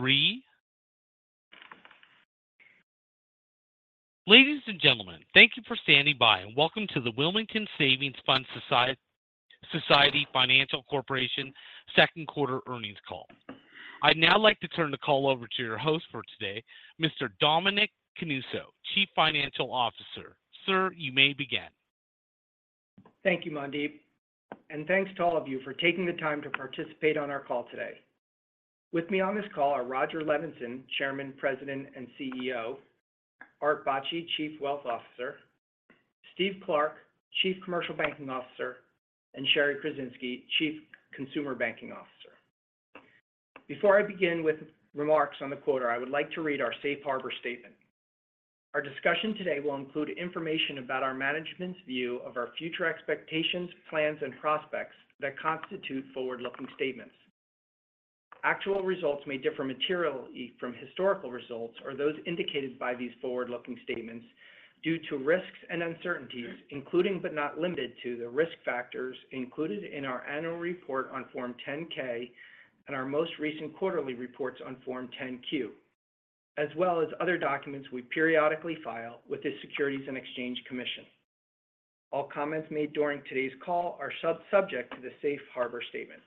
Three. Ladies and gentlemen, thank you for standing by, welcome to the Wilmington Savings Fund Society Financial Corporation second quarter earnings call. I'd now like to turn the call over to your host for today, Mr. Dominic Canuso, Chief Financial Officer. Sir, you may begin. Thank you, Mandeep, and thanks to all of you for taking the time to participate on our call today. With me on this call are Rodger Levenson, Chairman, President, and CEO, Art Bacci, Chief Wealth Officer, Steve Clark, Chief Commercial Banking Officer, and Shari Kruzinski, Chief Consumer Banking Officer. Before I begin with remarks on the quarter, I would like to read our safe harbor statement. Our discussion today will include information about our management's view of our future expectations, plans, and prospects that constitute forward-looking statements. Actual results may differ materially from historical results or those indicated by these forward-looking statements due to risks and uncertainties, including but not limited to, the risk factors included in our annual report on Form 10-K and our most recent quarterly reports on Form 10-Q, as well as other documents we periodically file with the Securities and Exchange Commission. All comments made during today's call are subject to the safe harbor statement.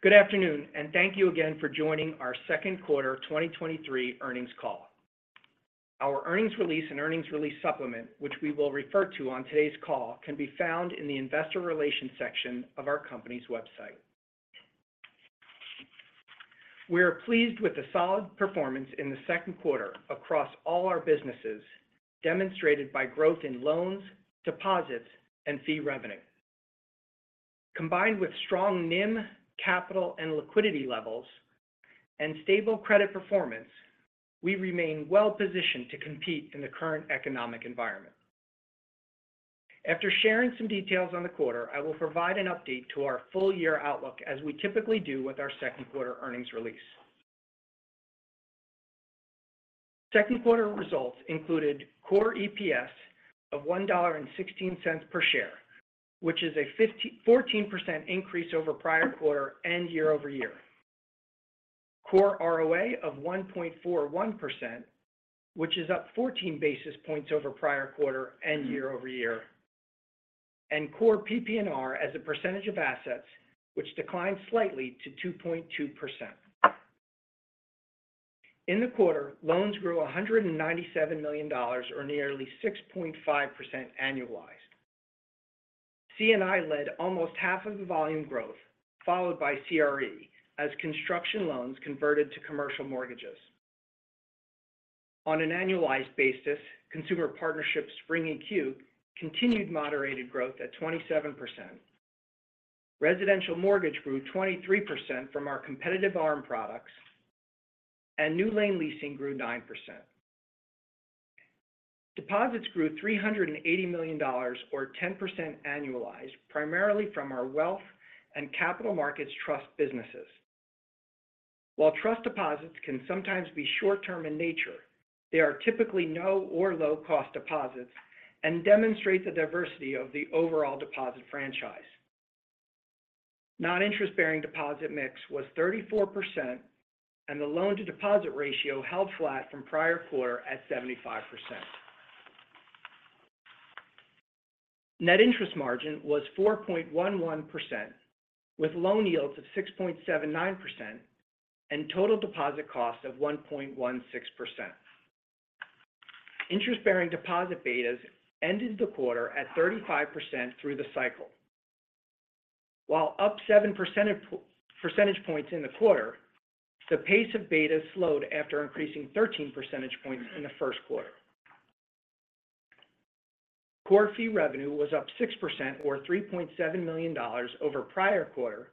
Good afternoon. Thank you again for joining our second quarter 2023 earnings call. Our earnings release and earnings release supplement, which we will refer to on today's call, can be found in the investor relations section of our company's website. We are pleased with the solid performance in the second quarter across all our businesses, demonstrated by growth in loans, deposits, and fee revenue. Combined with strong NIM, capital, and liquidity levels, and stable credit performance, we remain well-positioned to compete in the current economic environment. After sharing some details on the quarter, I will provide an update to our full year outlook, as we typically do with our second quarter earnings release. Second quarter results included core EPS of $1.16 per share, which is a 14% increase over prior quarter and year-over-year. Core ROA of 1.41%, which is up 14 basis points over prior quarter and year-over-year, and core PPNR as a percentage of assets, which declined slightly to 2.2%. In the quarter, loans grew $197 million, or nearly 6.5% annualized. C&I led almost half of the volume growth, followed by CRE, as construction loans converted to commercial mortgages. On an annualized basis, consumer partnerships Spring EQ continued moderated growth at 27%. Residential mortgage grew 23% from our competitive ARM products, and NewLane Leasing grew 9%. Deposits grew $380 million or 10% annualized, primarily from our wealth and capital markets trust businesses. While trust deposits can sometimes be short-term in nature, they are typically no or low-cost deposits and demonstrate the diversity of the overall deposit franchise. Non-interest-bearing deposit mix was 34%, and the loan to deposit ratio held flat from prior quarter at 75%. Net interest margin was 4.11%, with loan yields of 6.79% and total deposit costs of 1.16%. Interest-bearing deposit betas ended the quarter at 35% through the cycle. While up seven percentage points in the quarter, the pace of beta slowed after increasing 13 percentage points in the first quarter. Core fee revenue was up 6% or $3.7 million over prior quarter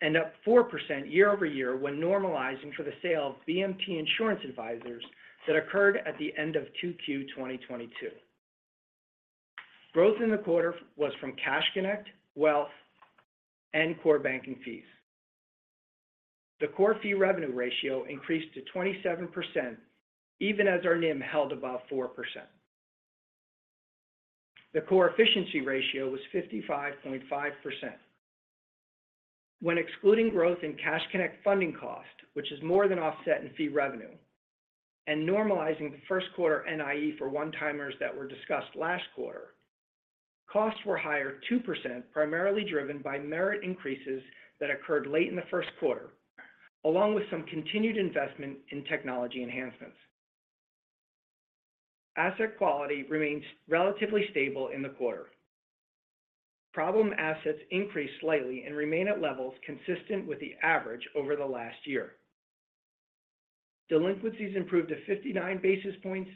and up 4% year-over-year when normalizing for the sale of BMT Insurance Advisors that occurred at the end of 2Q 2022. Growth in the quarter was from Cash Connect, Wealth, and Core Banking fees. The core fee revenue ratio increased to 27%, even as our NIM held above 4%. The core efficiency ratio was 55.5%. When excluding growth in Cash Connect funding cost, which is more than offset in fee revenue, and normalizing the first quarter NIE for one-timers that were discussed last quarter, costs were higher 2%, primarily driven by merit increases that occurred late in the first quarter, along with some continued investment in technology enhancements. Asset quality remains relatively stable in the quarter. Problem assets increased slightly and remain at levels consistent with the average over the last year. Delinquencies improved to 59 basis points,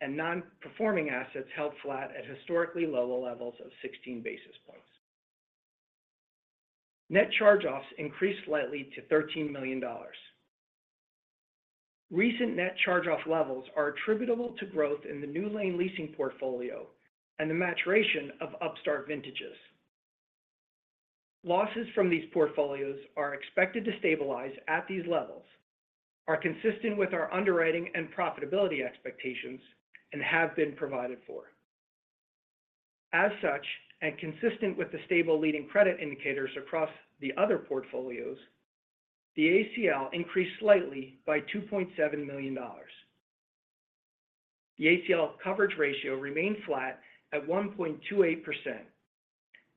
and non-performing assets held flat at historically lower levels of 16 basis points. Net charge-offs increased slightly to $13 million. Recent net charge-off levels are attributable to growth in the NewLane Leasing portfolio and the maturation of Upstart vintages. Losses from these portfolios are expected to stabilize at these levels, are consistent with our underwriting and profitability expectations, and have been provided for. As such, and consistent with the stable leading credit indicators across the other portfolios, the ACL increased slightly by $2.7 million. The ACL coverage ratio remained flat at 1.28%,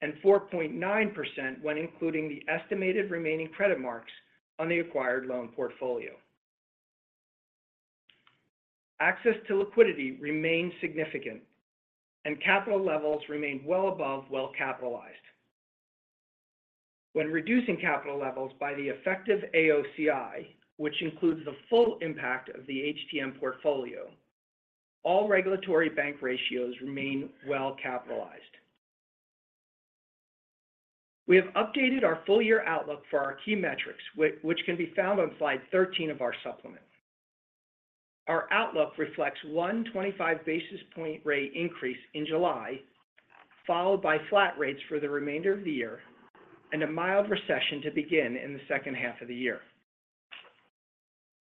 and 4.9% when including the estimated remaining credit marks on the acquired loan portfolio. Access to liquidity remains significant, capital levels remain well above well capitalized. When reducing capital levels by the effective AOCI, which includes the full impact of the HTM portfolio, all regulatory bank ratios remain well capitalized. We have updated our full year outlook for our key metrics, which can be found on slide 13 of our supplement. Our outlook reflects 125 basis point rate increase in July, followed by flat rates for the remainder of the year and a mild recession to begin in the second half of the year.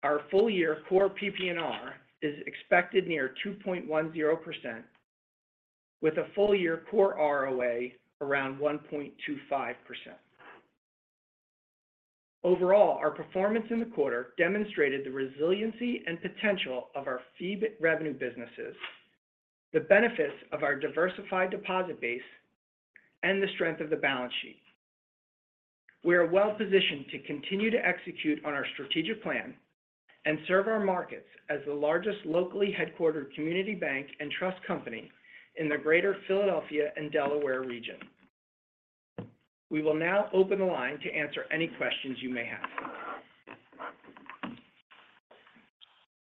Our full year core PPNR is expected near 2.10%, with a full year core ROA around 1.25%. Overall, our performance in the quarter demonstrated the resiliency and potential of our fee-based revenue businesses, the benefits of our diversified deposit base, and the strength of the balance sheet. We are well positioned to continue to execute on our strategic plan and serve our markets as the largest locally headquartered community bank and trust company in the Greater Philadelphia and Delaware region. We will now open the line to answer any questions you may have.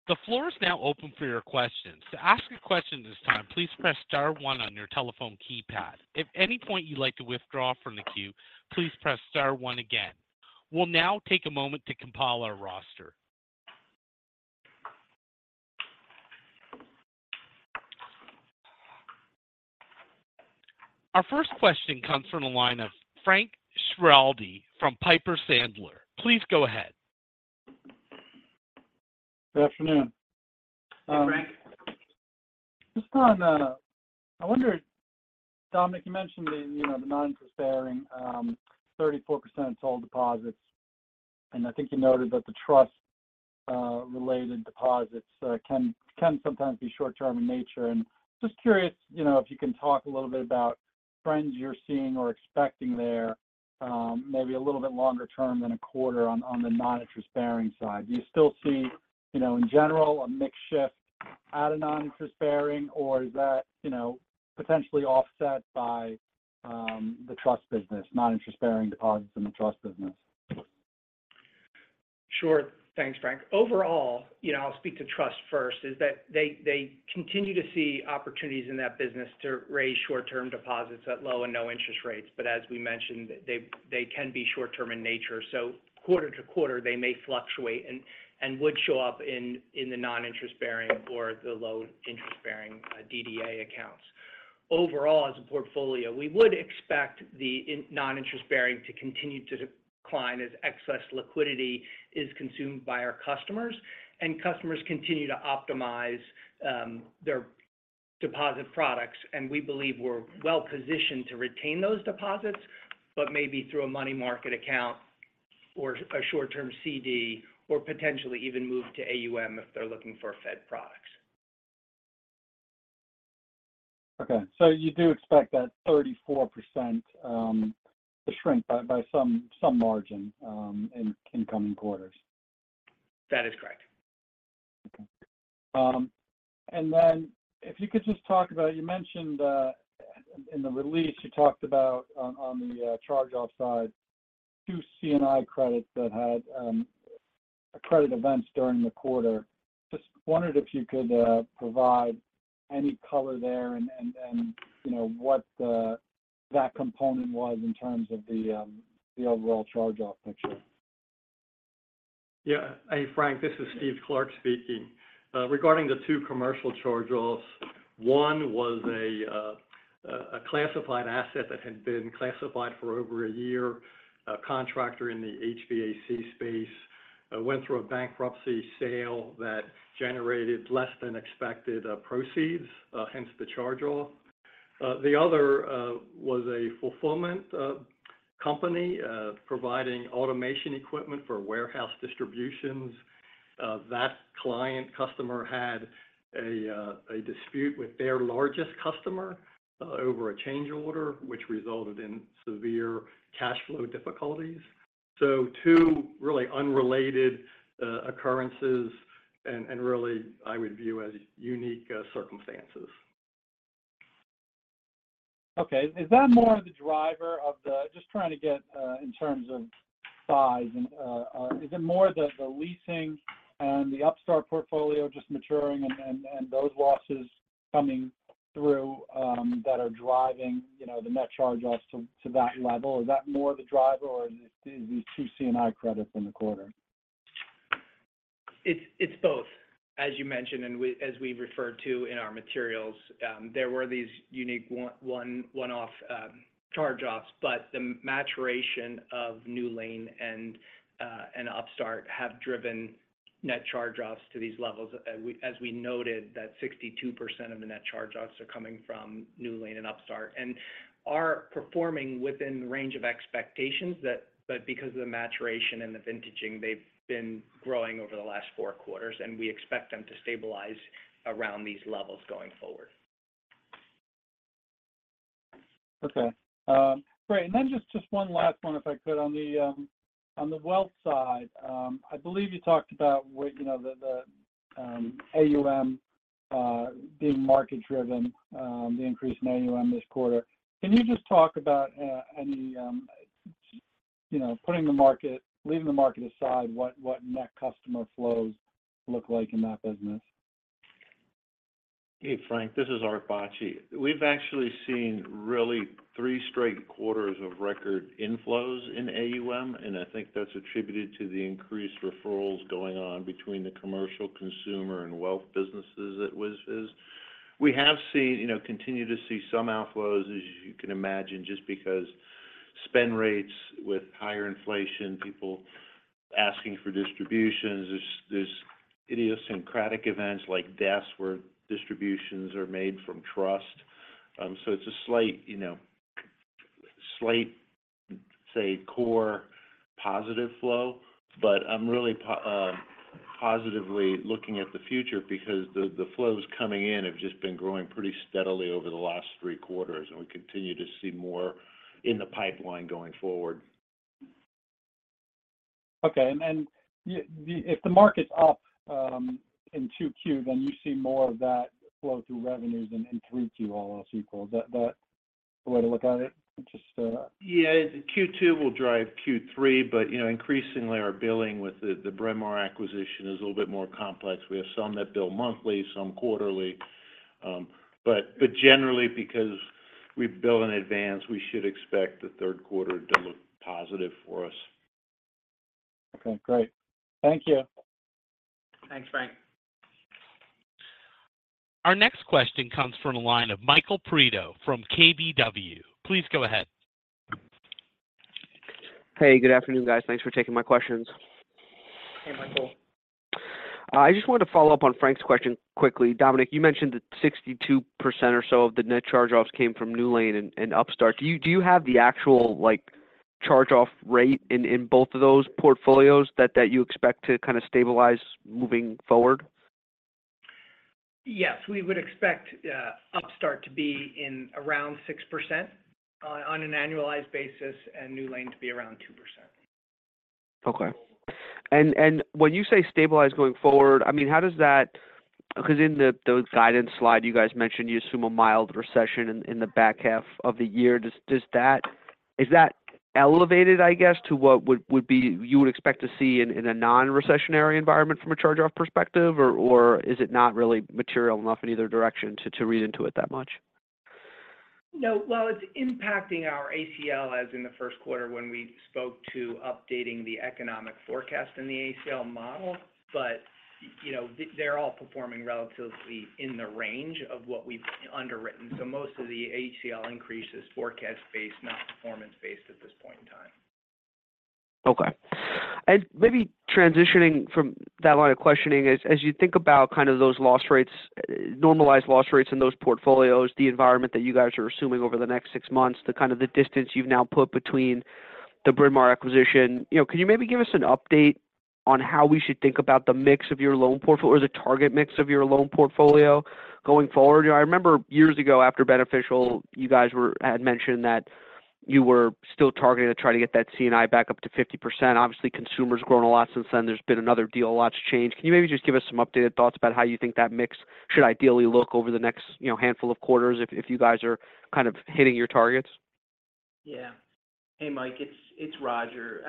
The floor is now open for your questions. To ask a question at this time, please press star one on your telephone keypad. If at any point you'd like to withdraw from the queue, please press star one again. We'll now take a moment to compile our roster. Our first question comes from the line of Frank Schiraldi from Piper Sandler. Please go ahead. Good afternoon. Hi, Frank. Just on, I wonder, Dominic, you mentioned the, you know, the non-interest-bearing, 34% of total deposits, and I think you noted that the trust related deposits can sometimes be short term in nature. Just curious, you know, if you can talk a little bit about trends you're seeing or expecting there, maybe a little bit longer term than a quarter on the non-interest-bearing side? Do you still see, you know, in general, a mixed shift at a non-interest-bearing, or is that, you know, potentially offset by the trust business, non-interest-bearing deposits in the trust business? Sure. Thanks, Frank. Overall, you know, I'll speak to trust first, is that they continue to see opportunities in that business to raise short-term deposits at low and no interest rates. As we mentioned, they can be short term in nature. Quarter to quarter, they may fluctuate and would show up in the non-interest-bearing or the low interest-bearing DDA accounts. Overall, as a portfolio, we would expect the non-interest-bearing to continue to decline as excess liquidity is consumed by our customers, and customers continue to optimize their deposit products. We believe we're well positioned to retain those deposits, but maybe through a money market account or a short-term CD, or potentially even move to AUM if they're looking for fee products. Okay. You do expect that 34% to shrink by some margin in incoming quarters? That is correct. Okay. You mentioned in the release, you talked about on the charge-off side, two CNI credits that had credit events during the quarter. Just wondered if you could provide any color there and, you know, what the that component was in terms of the overall charge-off picture. Yeah. Hey, Frank, this is Steve Clark speaking. Regarding the two commercial charge-offs, one was a classified asset that had been classified for over a year. A contractor in the HVAC space went through a bankruptcy sale that generated less than expected proceeds, hence the charge-off. The other was a fulfillment company providing automation equipment for warehouse distributions. That client customer had a dispute with their largest customer over a change order, which resulted in severe cash flow difficulties. Two really unrelated occurrences and really I would view as unique circumstances. Okay. Is that more of the driver of the just trying to get in terms of size, and is it more the leasing and the Upstart portfolio just maturing and those losses coming through that are driving, you know, the net charge-offs to that level, or is it these two CNI credits in the quarter? It's both. As you mentioned, as we referred to in our materials, there were these unique one-off charge-offs. The maturation of NewLane and Upstart have driven net charge-offs to these levels. We, as we noted, that 62% of the net charge-offs are coming from NewLane and Upstart, and are performing within the range of expectations but because of the maturation and the vintaging, they've been growing over the last four quarters, and we expect them to stabilize around these levels going forward. Okay. great. Just one last one, if I could. On the, on the wealth side, I believe you talked about where, you know, the AUM, being market-driven, the increase in AUM this quarter. Can you just talk about, any, you know, leaving the market aside, what net customer flows look like in that business? Hey, Frank, this is Art Bacci. We've actually seen really three straight quarters of record inflows in AUM, I think that's attributed to the increased referrals going on between the commercial consumer and wealth businesses at WSFS. We have seen, you know, continue to see some outflows, as you can imagine, just because spend rates with higher inflation, people asking for distributions. There's idiosyncratic events like deaths, where distributions are made from trust. It's a slight, you know, slight, say, core positive flow. I'm really positively looking at the future because the flows coming in have just been growing pretty steadily over the last three quarters, we continue to see more in the pipeline going forward. Okay. If the market's up, in two Upstart, then you see more of that flow through revenues in 3Q, all else equal. Is that the way to look at it? Just. Yeah. Q2 will drive Q3, but, you know, increasingly, our billing with the Bryn Mawr acquisition is a little bit more complex. We have some that bill monthly, some quarterly. Generally, because we bill in advance, we should expect the third quarter to look positive for us. Okay, great. Thank you. Thanks, Frank. Our next question comes from the line of Michael Perito from KBW. Please go ahead. Hey, good afternoon, guys. Thanks for taking my questions. Hey, Michael. I just wanted to follow up on Frank's question quickly. Dominic, you mentioned that 62% or so of the net charge-offs came from NewLane and Upstart. Do you have the actual, like, charge-off rate in both of those portfolios that you expect to kind of stabilize moving forward? Yes. We would expect Upstart to be in around 6% on an annualized basis, and NewLane to be around 2%. Okay. When you say stabilize going forward, I mean, because in the guidance slide, you guys mentioned you assume a mild recession in the back half of the year. Does that is that elevated, I guess, to what would be you would expect to see in a non-recessionary environment from a charge-off perspective? Or is it not really material enough in either direction to read into it that much? No. Well, it's impacting our ACL, as in the first quarter when we spoke to updating the economic forecast in the ACL model. You know, they're all performing relatively in the range of what we've underwritten. Most of the ACL increase is forecast-based, not performance-based at this point in time. Okay. Maybe transitioning from that line of questioning, as you think about kind of those loss rates, normalized loss rates in those portfolios, the environment that you guys are assuming over the next six months, the kind of the distance you've now put between the Bryn Mawr acquisition, you know, can you maybe give us an update on how we should think about the mix of your loan portfolio or the target mix of your loan portfolio going forward? You know, I remember years ago, after Beneficial, you guys had mentioned that you were still targeting to try to get that C&I back up to 50%. Obviously, consumer's grown a lot since then. There's been another deal, a lot's changed. Can you maybe just give us some updated thoughts about how you think that mix should ideally look over the next, you know, handful of quarters if you guys are kind of hitting your targets? Yeah. Hey, Mike, it's Rodger.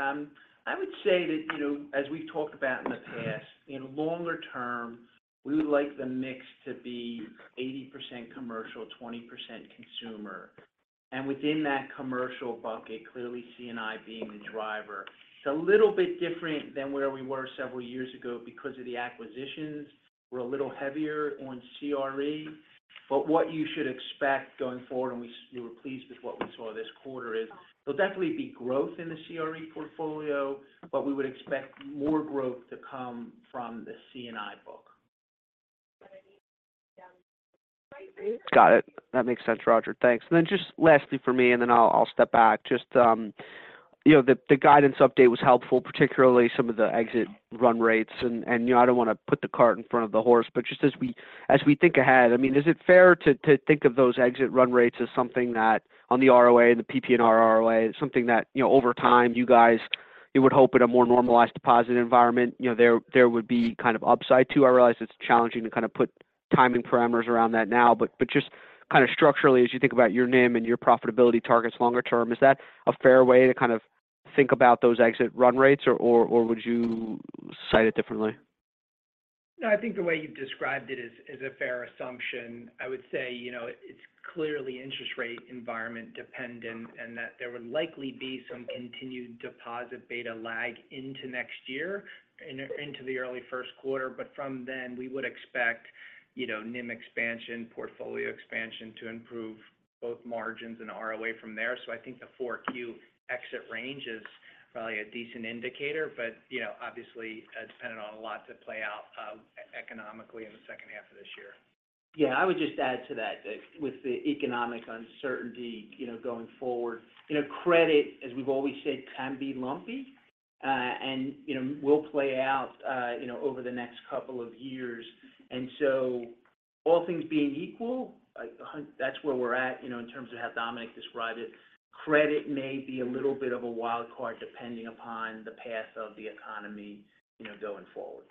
I would say that, you know, as we've talked about in the past, in longer term, we would like the mix to be 80% commercial, 20% consumer. Within that commercial bucket, clearly C&I being the driver. It's a little bit different than where we were several years ago because of the acquisitions. We're a little heavier on CRE. What you should expect going forward, and we were pleased with what we saw this quarter, is there'll definitely be growth in the CRE portfolio, but we would expect more growth to come from the C&I book. Got it. That makes sense, Rodger. Thanks. Then just lastly for me, then I'll step back. Just, you know, the guidance update was helpful, particularly some of the exit run rates. You know, I don't want to put the cart in front of the horse, but just as we, as we think ahead, I mean, is it fair to think of those exit run rates as something that on the ROA and the PPNR ROA, something that, you know, over time, you guys, you would hope in a more normalized deposit environment, you know, there would be kind of upside to? I realize it's challenging to kind of put timing parameters around that now, but just kind of structurally, as you think about your NIM and your profitability targets longer term, is that a fair way to kind of think about those exit run rates? Or would you cite it differently? No, I think the way you described it is a fair assumption. I would say, you know, it's clearly interest rate environment dependent, that there would likely be some continued deposit beta lag into next year, and into the early first quarter. From then, we would expect, you know, NIM expansion, portfolio expansion to improve both margins and ROA from there. I think the four Upstart exit range is probably a decent indicator, but, you know, obviously, dependent on a lot to play out economically in the second half of this year. Yeah, I would just add to that with the economic uncertainty, you know, going forward, you know, credit, as we've always said, can be lumpy, and, you know, will play out, you know, over the next couple of years. All things being equal, like, that's where we're at, you know, in terms of how Dominic described it. Credit may be a little bit of a wild card, depending upon the path of the economy, you know, going forward.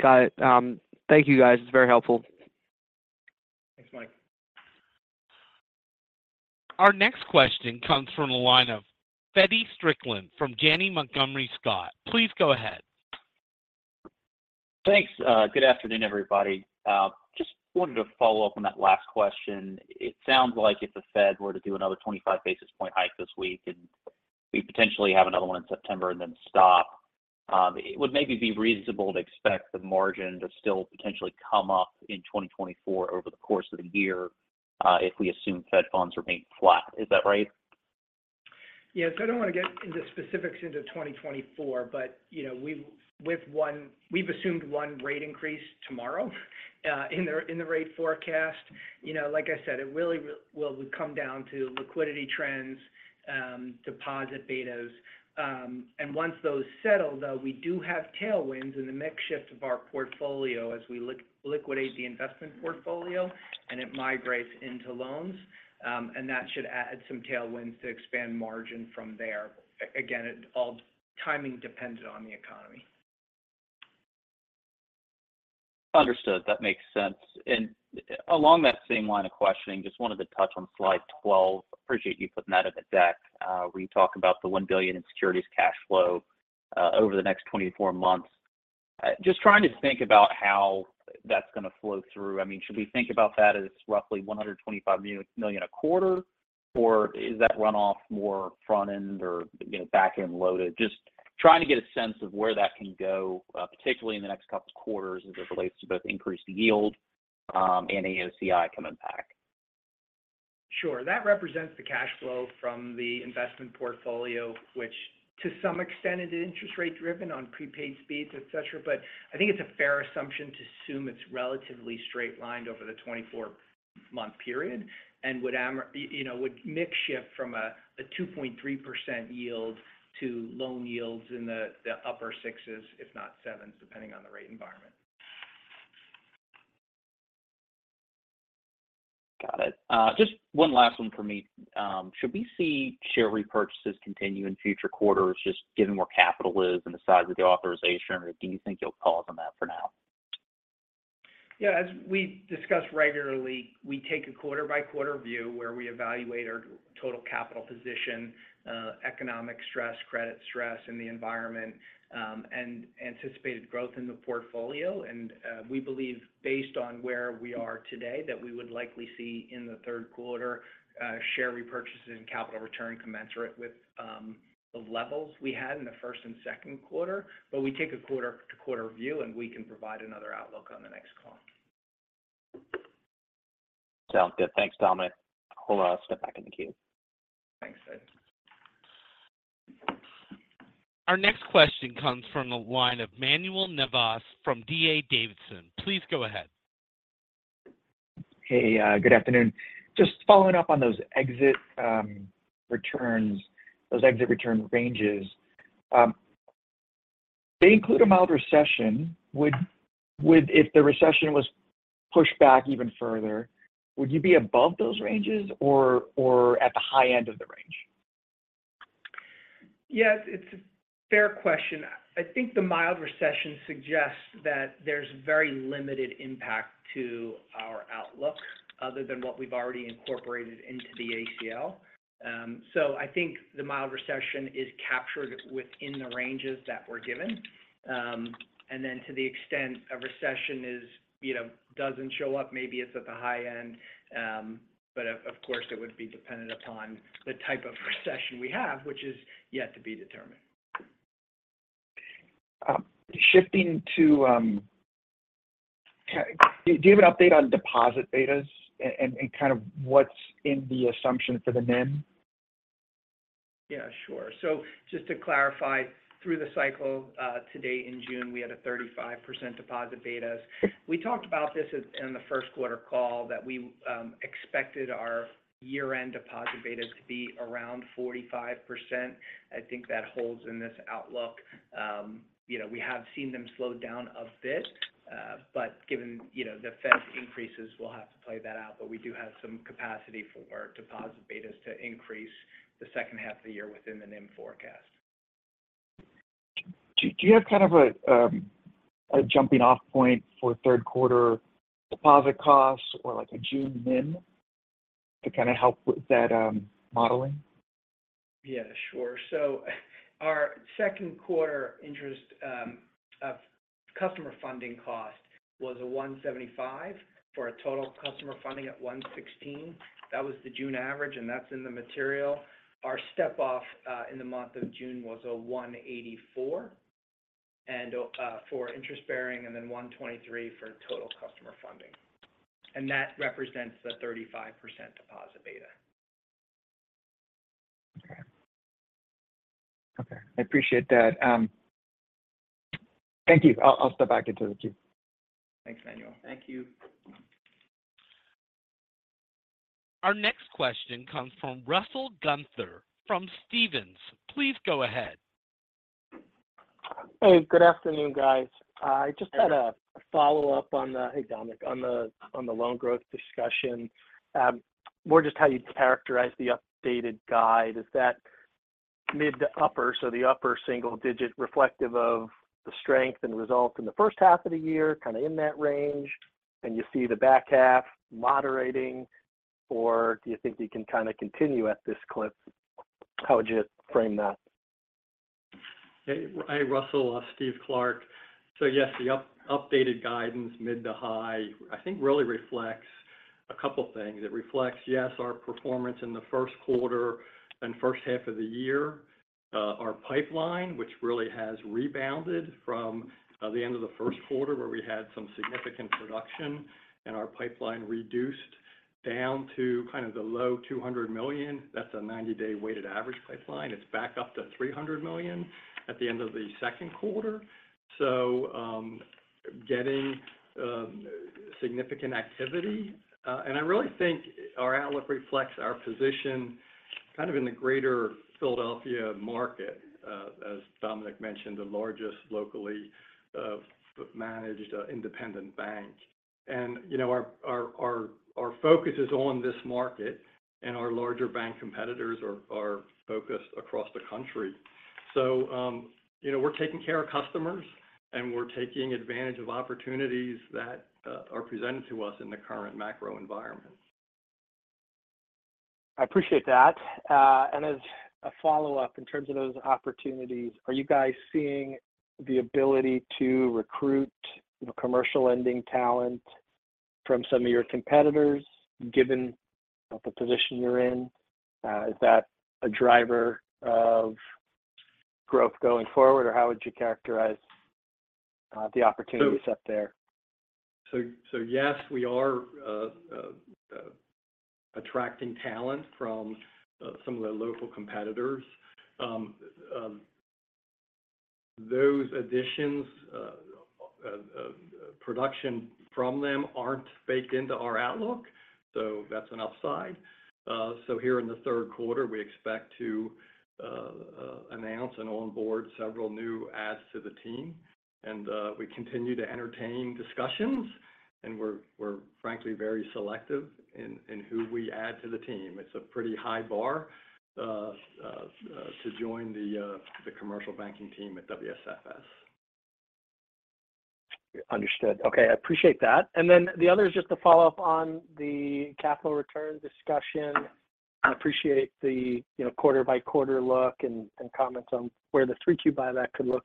Got it. Thank you, guys. It's very helpful. Thanks, Mike. Our next question comes from the line of Feddie Strickland from Janney Montgomery Scott. Please go ahead. Thanks. good afternoon, everybody. just wanted to follow up on that last question. It sounds like if the Fed were to do another 25-basis point hike this week, we potentially have another one in September and then stop, it would maybe be reasonable to expect the margin to still potentially come up in 2024 over the course of the year, if we assume Fed funds remain flat. Is that right? Yes. I don't want to get into specifics into 2024, you know, we've assumed 1 rate increase tomorrow, in the rate forecast. You know, like I said, it really will come down to liquidity trends, deposit betas. once those settle, though, we do have tailwinds in the mix shift of our portfolio as we liquidate the investment portfolio and it migrates into loans. that should add some tailwinds to expand margin from there. again, it all timing dependent on the economy. Understood. That makes sense. Along that same line of questioning, just wanted to touch on slide 12. Appreciate you putting that in the deck. Where you talk about the $1 billion in securities cash flow over the next 24 months. Just trying to think about how that's going to flow through. I mean, should we think about that as roughly $125 million a quarter, or is that runoff more front end or, you know, back-end loaded? Just trying to get a sense of where that can go, particularly in the next couple quarters as it relates to both increased yield and AOCI coming back. Sure. That represents the cash flow from the investment portfolio, which to some extent, is interest rate driven on prepaid speeds, et cetera. I think it's a fair assumption to assume it's relatively straight lined over the 24-month period and you know, would mix shift from a 2.3% yield to loan yields in the upper sixes, if not sevens, depending on the rate environment. Got it. Just one last one for me. Should we see share repurchases continue in future quarters, just given where capital is and the size of the authorization? Do you think you'll pause on that for now? Yeah, as we discuss regularly, we take a quarter-by-quarter view, where we evaluate our total capital position, economic stress, credit stress in the environment, and anticipated growth in the portfolio. We believe, based on where we are today, that we would likely see in the third quarter, share repurchases and capital return commensurate with the levels we had in the first and second quarter. We take a quarter-to-quarter view, and we can provide another outlook on the next call. Sounds good. Thanks, Dominic. Hold on. I'll step back in the queue. Thanks, Feddie. Our next question comes from the line of Manuel Navas from D.A. Davidson. Please go ahead. Hey, good afternoon. Just following up on those exit returns, those exit return ranges. They include a mild recession. Would if the recession was pushed back even further, would you be above those ranges or at the high end of the range? Yes, it's a fair question. I think the mild recession suggests that there's very limited impact to our outlook other than what we've already incorporated into the ACL. I think the mild recession is captured within the ranges that were given. To the extent a recession is, you know, doesn't show up, maybe it's at the high end. Of course, it would be dependent upon the type of recession we have, which is yet to be determined. Shifting to Do you have an update on deposit betas and kind of what's in the assumption for the NIM? Yeah, sure. Just to clarify, through the cycle, today in June, we had a 35% deposit betas. We talked about this in the first quarter call that we expected our year-end deposit beta to be around 45%. I think that holds in this outlook. You know, we have seen them slow down a bit, given, you know, the Fed increases, we'll have to play that out. We do have some capacity for deposit betas to increase the second half of the year within the NIM forecast. Do you have kind of a jumping off point for third quarter deposit costs or like a June NIM to kind of help with that modeling? Yeah, sure. Our second quarter interest customer funding cost was 1.75% for a total customer funding at 1.16%. That was the June average, and that's in the material. Our step off in the month of June was 1.84% for interest bearing, and then 1.23% for total customer funding. That represents the 35% deposit beta. Okay. Okay, I appreciate that. Thank you. I'll step back into the queue. Thanks, Manuel. Thank you. Our next question comes from Russell Gunther from Stephens. Please go ahead. Hey, good afternoon, guys. I just had a follow-up on hey, Dominic, on the loan growth discussion. More just how you'd characterize the updated guide. Is that mid to upper, so the upper single digit reflective of the strength and results in the first half of the year, kind of in that range, and you see the back half moderating? Do you think you can kind of continue at this clip? How would you frame that? Hey, hey, Russell. Steve Clark. Yes, the updated guidance, mid to high, I think really reflects a couple things. It reflects, yes, our performance in the first quarter and first half of the year. Our pipeline, which really has rebounded from the end of the first quarter, where we had some significant reduction and our pipeline reduced down to kind of the low $200 million. That's a 90-day weighted average pipeline. It's back up to $300 million at the end of the second quarter, so, getting significant activity. I really think our outlook reflects our position kind of in the greater Philadelphia market, as Dominic mentioned, the largest locally managed independent bank. You know, our focus is on this market, and our larger bank competitors are focused across the country. You know, we're taking care of customers, and we're taking advantage of opportunities that are presented to us in the current macro environment. I appreciate that. As a follow-up, in terms of those opportunities, are you guys seeing the ability to recruit commercial lending talent from some of your competitors, given the position you're in? Is that a driver of growth going forward, or how would you characterize the opportunities up there? Yes, we are attracting talent from some of the local competitors. Those additions, production from them aren't baked into our outlook, so that's an upside. Here in the third quarter, we expect to announce and onboard several new adds to the team. We continue to entertain discussions, and we're frankly very selective in who we add to the team. It's a pretty high bar to join the commercial banking team at WSFS. Understood. Okay, I appreciate that. The other is just a follow-up on the capital return discussion. I appreciate the, you know, quarter-by-quarter look and comments on where the 3Q buyback could look.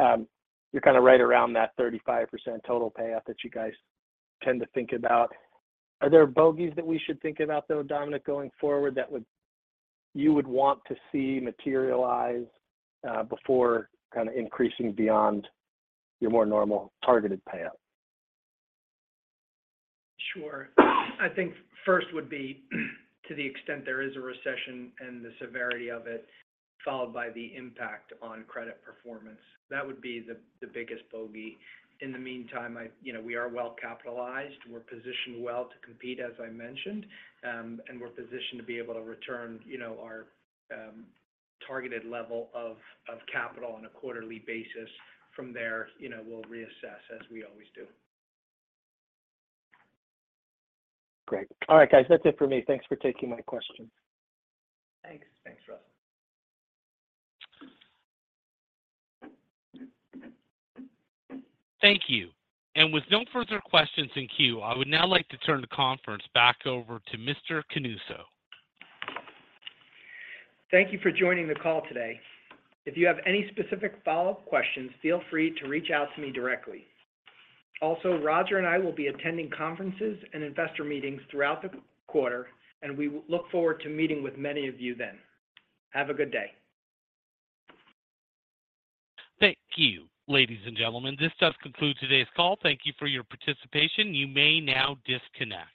You're kind of right around that 35% total payoff that you guys tend to think about. Are there bogeys that we should think about, though, Dominic, going forward, you would want to see materialize before kind of increasing beyond your more normal targeted payout? Sure. I think first would be to the extent there is a recession and the severity of it, followed by the impact on credit performance. That would be the biggest bogey. In the meantime, you know, we are well capitalized. We're positioned well to compete, as I mentioned. We're positioned to be able to return, you know, our targeted level of capital on a quarterly basis. From there, you know, we'll reassess, as we always do. Great. All right, guys, that's it for me. Thanks for taking my questions. Thanks. Thanks, Russell. Thank you. With no further questions in queue, I would now like to turn the conference back over to Mr. Canuso. Thank you for joining the call today. If you have any specific follow-up questions, feel free to reach out to me directly. Rodger and I will be attending conferences and investor meetings throughout the quarter, and we look forward to meeting with many of you then. Have a good day. Thank you, ladies and gentlemen. This does conclude today's call. Thank you for your participation. You may now disconnect.